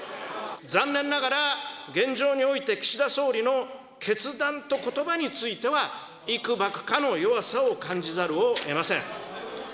残念ながら、現状において岸田総理の決断とことばについては、いくばくかの弱さを感じざるをえません。